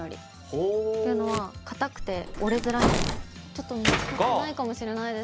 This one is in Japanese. ちょっと見つかってないかもしれないです。